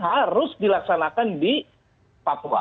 harus dilaksanakan di papua